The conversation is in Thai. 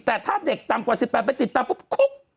แต่ถ้าเด็กต่ำกว่า๑๘ไปติดตามปุ๊บคุก